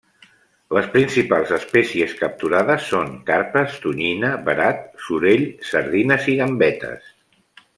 Les principals espècies capturades són carpes, tonyina, verat, sorell, sardines i gambetes.